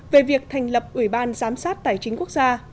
về việc thành lập ủy ban giám sát tài chính quốc gia